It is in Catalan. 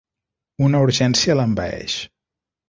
Una urgència l'envaeix.